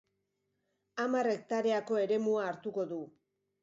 Hamar hektareako eremua hartuko du.